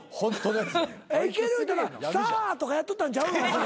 行ける言うたら「さぁ」とかやっとったんちゃうの？